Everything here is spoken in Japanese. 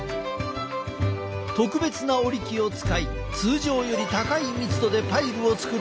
特別な織り機を使い通常より高い密度でパイルを作ることができる。